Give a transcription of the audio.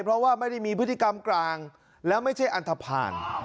เพราะว่าไม่ได้มีพฤติกรรมกลางแล้วไม่ใช่อันทภาณ